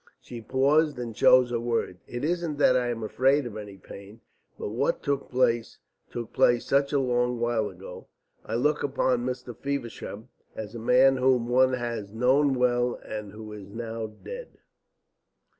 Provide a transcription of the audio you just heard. She paused and chose her words. "It isn't that I am afraid of any pain. But what took place, took place such a long while ago I look upon Mr. Feversham as a man whom one has known well, and who is now dead."